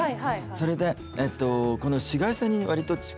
それでこの紫外線に割と近いから。